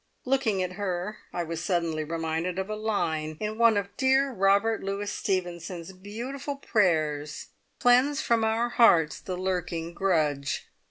Looking at her, I was suddenly reminded of a line in one of dear Robert Louis Stevenson's beautiful prayers "Cleanse from our hearts the lurking grudge!"